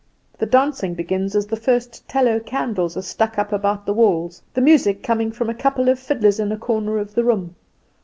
The dancing begins as the first tallow candles are stuck up about the walls, the music coming from a couple of fiddlers in a corner of the room.